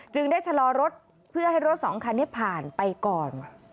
ได้ชะลอรถเพื่อให้รถสองคันนี้ผ่านไปก่อน